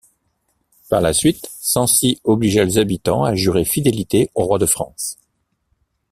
Par la suite, Sancy obligea les habitants à jurer fidélité au roi de France.